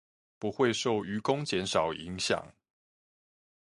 不會受漁工減少影響